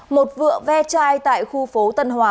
một vựa ve chai tại khu phố tân hòa